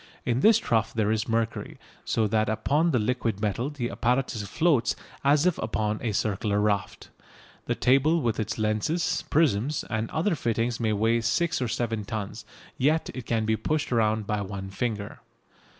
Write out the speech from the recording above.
In this trough there is mercury, so that upon the liquid metal the apparatus floats as if upon a circular raft. The table with its lenses, prisms and other fittings may weigh six or seven tons, yet it can be pushed round by one finger.